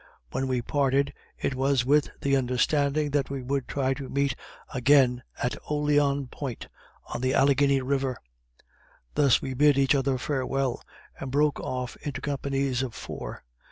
When we parted, it was with the understanding that we would try to meet again at Oleann Point, on the Alleghany river. Thus we bid each other farewell, and broke off into companies of four.